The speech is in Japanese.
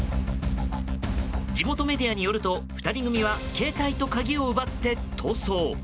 地元メディアによると２人組は携帯と鍵を奪って逃走。